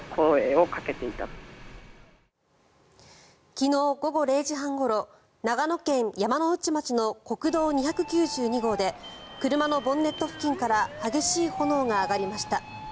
昨日午後０時半ごろ長野県山ノ内町の国道２９２号で車のボンネット付近から激しい炎が上がりました。